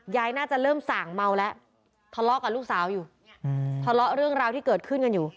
น่าจะเริ่มส่างเมาแล้วทะเลาะกับลูกสาวอยู่ทะเลาะเรื่องราวที่เกิดขึ้นกันอยู่